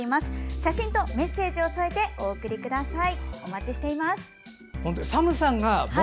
写真とメッセージを添えてお送りください。